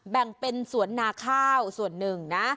แบ่งเป็นสวนนาข้าวส่วนหนึ่งนะ